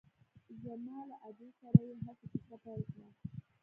زما له ادې سره يې هسې کيسه پيل کړه.